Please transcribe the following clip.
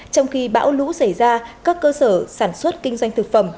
trong khi bão lũ xảy ra các cơ sở sản xuất kinh doanh thực phẩm